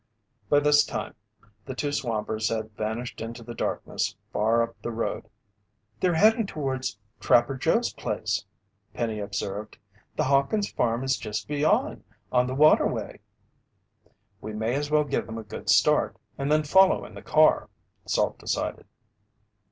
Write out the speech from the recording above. By this time, the two swampers had vanished into the darkness far up the road. "They're heading toward Trapper Joe's place," Penny observed. "The Hawkins' farm is just beyond, on the waterway." "We may as well give them a good start and then follow in the car," Salt decided.